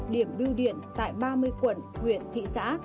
điểm biêu điện tại ba mươi quận huyện thị xã